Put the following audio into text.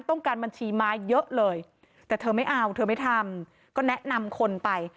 บัญชีม้าเยอะเลยแต่เธอไม่เอาเธอไม่ทำก็แนะนำคนไป